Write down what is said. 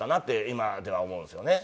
今では思うんですよね。